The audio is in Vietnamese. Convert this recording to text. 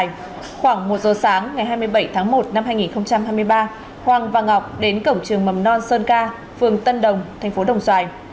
khoảng một giờ sáng ngày hai mươi bảy tháng một năm hai nghìn hai mươi ba hoàng và ngọc đến cổng trường mầm non sơn ca phường tân đồng thành phố đồng xoài